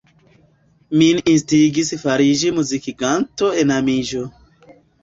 Min instigis fariĝi muzikiganto enamiĝo.